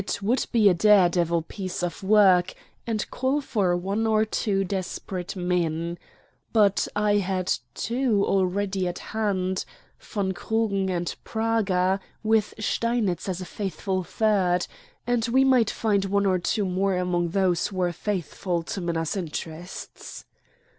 It would be a dare devil piece of work, and call for one or two desperate men. But I had two already to hand von Krugen and Praga, with Steinitz as a faithful third and we might find one or two more among those who were faithful to Minna's interests.